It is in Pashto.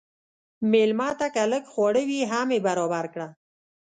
مېلمه ته که لږ خواړه وي، هم یې برابر کړه.